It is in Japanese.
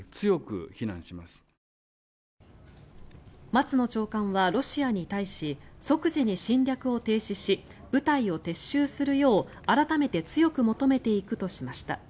松野長官はロシアに対し即時に侵略を停止し部隊を撤収するよう改めて強く求めていくとしました。